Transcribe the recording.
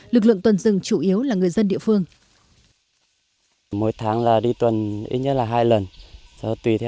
lực lượng tuần rừng chủ yếu là người dân địa phương